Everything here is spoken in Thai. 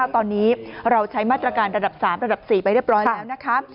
ตอนนี้เราใช้มาตรการระดับ๓ระดับ๔ไปเรียบร้อยแล้วนะคะ